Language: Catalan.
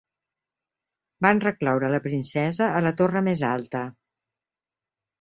Van recloure la princesa a la torre més alta.